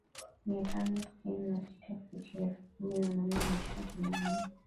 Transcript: mia tano sitini na sita futi elfu kumi na nne mia tisa themanini